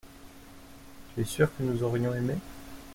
Tu es sûr que nous aurions aimé.